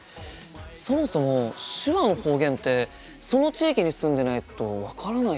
そもそも手話の方言ってその地域に住んでないと分からないよね。